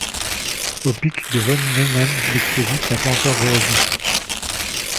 Au pic de von Neumann, l'explosif n'a pas encore réagi.